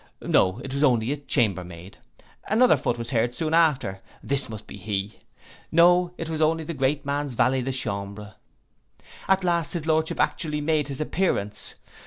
No, it was only a chambermaid. Another foot was heard soon after. This must be He! No, it was only the great man's valet de chambre. At last his lordship actually made his appearance.